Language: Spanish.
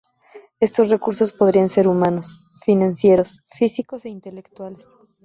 Estos recursos podrían ser humanos, financieros, físicos e intelectuales.